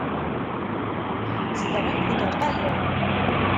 Zedɣen deg Lqahira.